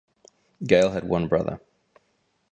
Gale had one brother.